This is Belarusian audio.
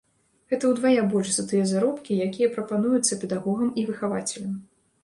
Гэта ўдвая больш за тыя заробкі, якія прапануюцца педагогам і выхавацелям.